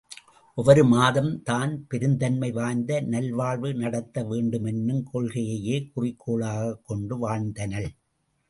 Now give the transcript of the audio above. ஒவ்வொரு மாதம் தான் பெருந்தன்மை வாய்ந்த நல் வாழ்வு நடத்த வேண்டுமென்னும் கொள்கையையே குறிக்கோளாகக் கொண்டு வாழ்ந்தனள்.